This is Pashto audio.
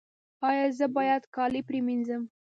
ایا زه باید کالي پریمنځم؟